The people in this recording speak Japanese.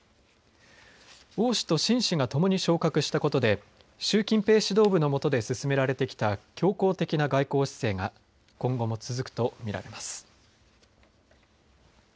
王氏と秦氏が共に昇格したことで習近平指導部の下で進められてきた強硬的な外交姿勢が今後も続くと見られます。